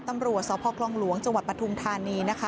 ตำรวจสพคลองหลวงจังหวัดปทุมธานีนะคะ